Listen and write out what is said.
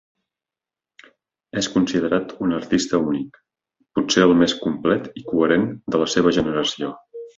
És considerat un artista únic, potser el més complet i coherent de la seva generació.